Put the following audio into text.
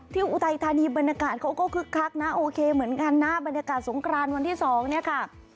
อุทัยธานีบรรยากาศเขาก็คึกคักนะโอเคเหมือนกันนะบรรยากาศสงครานวันที่๒เนี่ยค่ะ